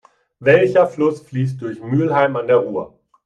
Welcher Fluss fließt durch Mülheim an der Ruhr?